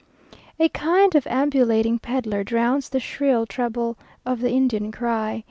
A kind of ambulating pedler drowns the shrill treble of the Indian cry.